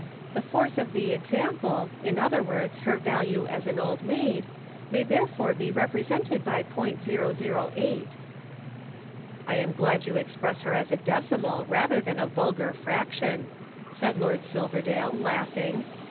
The force of the example, in other words, her value as an Old Maid, may therefore be represented by .008." "I am glad you express her as a decimal rather than a vulgar fraction," said Lord Silverdale laughing.